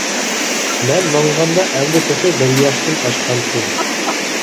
مەن ماڭغاندا ئەمدى تېخى بىر ياشتىن ئاشقانتى.